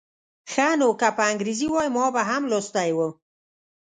ښه نو که په انګریزي وای ما به هم لوستی و.